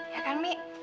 ya kan mi